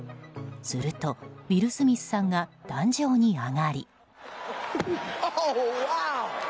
すると、ウィル・スミスさんが壇上に上がり。